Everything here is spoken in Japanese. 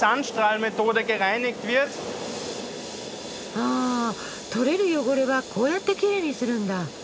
あ取れる汚れはこうやってきれいにするんだ。